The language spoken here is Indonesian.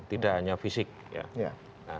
tidak hanya fisik ya